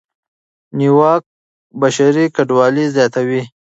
نیواک بشري کډوالۍ زیاتوي.